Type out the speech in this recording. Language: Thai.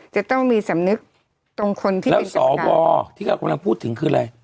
จะต้องมีสำนึกตรงคนที่แล้วสวที่เขากำลังพูดถึงคืออะไร